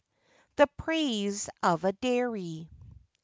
THE PRAISE OF A DAIRY.